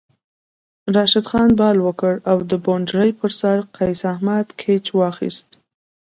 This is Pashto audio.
راشد خان بال وکړ او د بونډرۍ پر سر قیص احمد کیچ واخیست